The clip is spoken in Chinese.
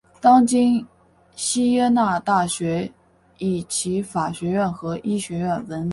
当今锡耶纳大学以其法学院和医学院闻名。